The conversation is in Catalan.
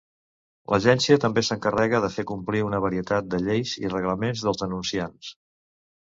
L'agència també s'encarrega de fer complir una varietat de lleis i reglaments dels denunciants.